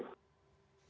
kita berharap kepada